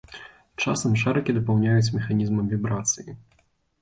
Часам шарыкі дапаўняюць механізмам вібрацыі.